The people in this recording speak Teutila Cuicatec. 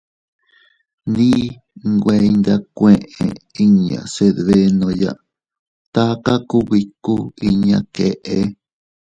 Ndi nweiyndakueʼe inña se dbenoya taka kubikuu iña keʼe.